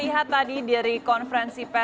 jatian epa jayante